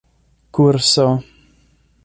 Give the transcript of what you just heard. kurso